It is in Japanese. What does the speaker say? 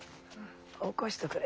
起こしとくれ。